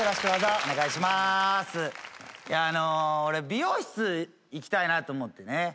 俺美容室行きたいなと思ってね。